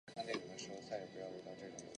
出生于明尼苏达州亚历山大。